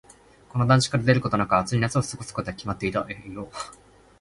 この団地から出ることなく、暑い夏を過ごすことが決まっていた。